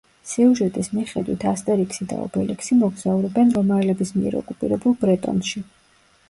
სიუჟეტის მიხედვით, ასტერიქსი და ობელიქსი მოგზაურობენ რომაელების მიერ ოკუპირებულ ბრეტონში.